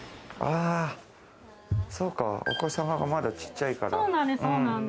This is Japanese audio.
そうか、お子様がまだ小さいから。